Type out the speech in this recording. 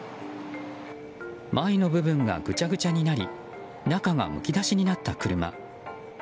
前の部分がぐちゃぐちゃになり中がむき出しになった車。